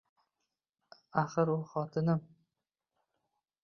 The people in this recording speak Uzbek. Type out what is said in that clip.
Axir, u xotinim